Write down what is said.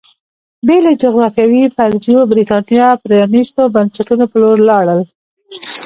بې له جغرافیوي فرضیو برېټانیا پرانېستو بنسټونو په لور لاړل